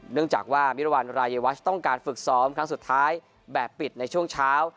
เนื่องจากว่ามิรวรรณรายวัชต้องการฝึกซ้อมครั้งสุดท้ายแบบปิดในช่วงเช้า